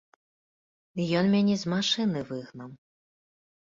Ён мяне з машыны выгнаў!